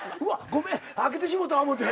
ごめん開けてしもうたわ思うて。